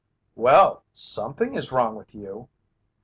"Well, something is wrong with you."